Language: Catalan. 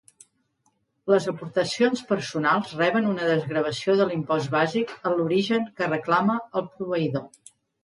Les aportacions personals reben una desgravació de l'impost bàsic en l'origen que reclama el proveïdor.